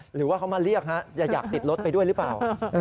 หรือว่าเขามาเรียกอย่าอยากติดรถไปด้วยหรือเปล่า